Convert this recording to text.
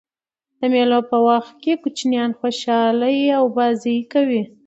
د مېلو په وخت کوچنيان خوشحاله يي او بازۍ کوي.